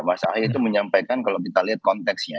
mas ahy itu menyampaikan kalau kita lihat konteksnya